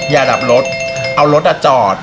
อย่าดับรถเอารถจอด